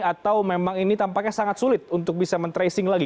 atau memang ini tampaknya sangat sulit untuk bisa men tracing lagi